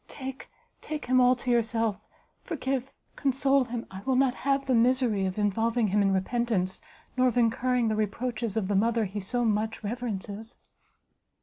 take, take him all to yourself! forgive, console him! I will not have the misery of involving him in repentance, nor of incurring the reproaches of the mother he so much reverences!"